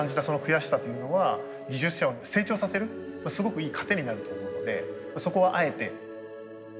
その悔しさというのは技術者を成長させるすごくいい糧になると思うのでそこはあえて。